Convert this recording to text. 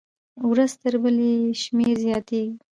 ورځ تر بلې یې شمېر زیاتېږي.